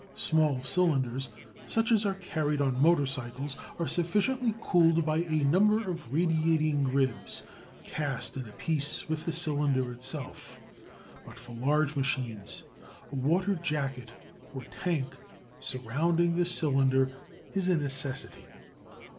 Small cylinders, such as are carried on motor cycles, are sufficiently cooled by a number of radiating ribs cast in a piece with the cylinder itself; but for large machines a water jacket or tank surrounding the cylinder is a necessity.